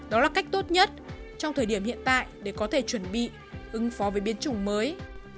đó là cách tốt nhất trong thời điểm hiện tại để có thể chuẩn bị ứng phó với biến chủng mới